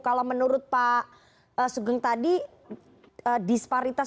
kalau menurut pak sugeng tadi disparitas